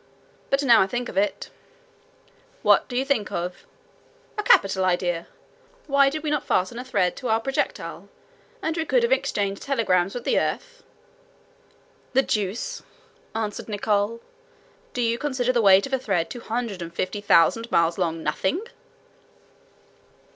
But now I think of it—" "What do you think of?" "A capital idea. Why did we not fasten a thread to our projectile, and we could have exchanged telegrams with the earth?" "The deuce!" answered Nicholl. "Do you consider the weight of a thread 250,000 miles long nothing?"